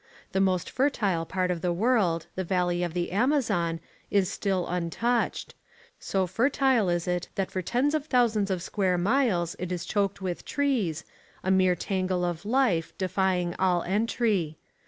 The most fertile part of the world, the valley of the Amazon, is still untouched: so fertile is it that for tens of thousands of square miles it is choked with trees, a mere tangle of life, defying all entry.